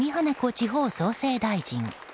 地方創生大臣。